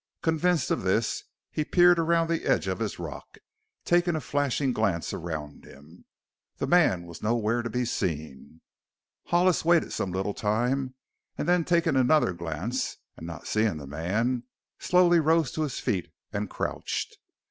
Convinced of this he peered around the edge of his rock, taking a flashing glance around him. The man was nowhere to be seen. Hollis waited some little time and then taking another glance and not seeing the man, rose slowly to his feet and crouched.